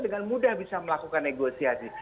dengan mudah bisa melakukan negosiasi